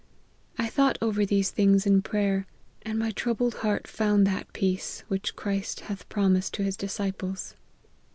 I thought over these things in prayer, and my troubled heart found that peace which Christ hath promised to his disciples."